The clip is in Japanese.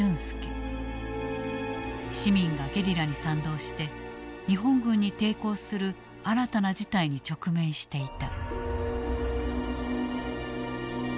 市民がゲリラに賛同して日本軍に抵抗する新たな事態に直面していた。